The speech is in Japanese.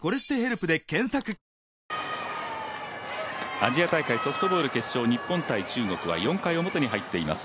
アジア大会ソフトボール決勝、日本×中国は４回表に入っています